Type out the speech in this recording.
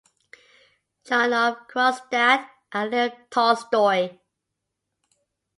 John of Kronstadt and Leo Tolstoy.